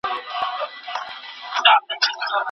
د کندهار خلک هیڅکله غلامي نه مني.